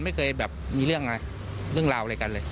ไม่เคยแบบมีเรื่องอะไรเรื่องราวอะไรกันเลย